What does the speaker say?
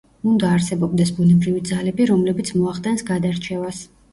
უნდა არსებობდეს ბუნებრივი ძალები, რომლებიც მოახდენს გადარჩევას.